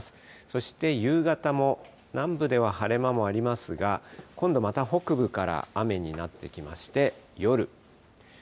そして夕方も、南部では晴れ間もありますが、今度また北部から雨になってきまして、夜。